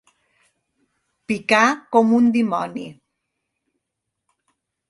Picar com un dimoni.